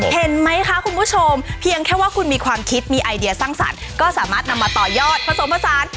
เห็นไหมคะคุณผู้ชมเพียงแค่ว่าคุณมีความคิดมีไอเดียสร้างสรรค์ก็สามารถนำมาต่อยอดผสมผสาน